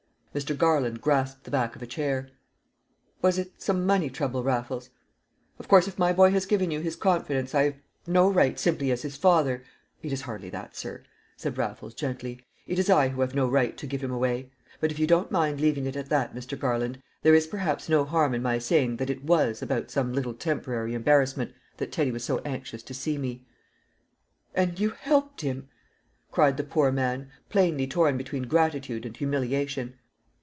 Mr. Garland grasped the back of a chair. "Was it some money trouble, Raffles? Of course, if my boy has given you his confidence, I have no right simply as his father " "It is hardly that, sir," said Raffles, gently; "it is I who have no right to give him away. But if you don't mind leaving it at that, Mr. Garland, there is perhaps no harm in my saying that it was about some little temporary embarrassment that Teddy was so anxious to see me." "And you helped him?" cried the poor man, plainly torn between gratitude and humiliation.